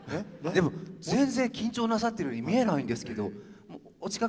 全然緊張なさってるように見えないんですけど。